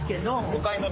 お買い物。